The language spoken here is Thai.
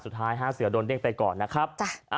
สุดท้าย๕เสือโดนเด้งไปก่อนนะครับ